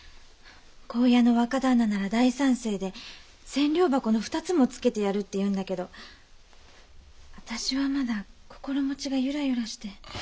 香屋の若旦那なら大賛成で千両箱の２つもつけてやるって言うんだけど私はまだ心持ちがゆらゆらして。